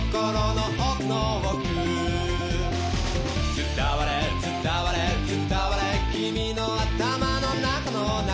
「伝われ伝われ伝われ君の頭の中の中」